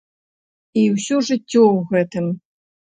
І ўсё жыццё ў гэтым.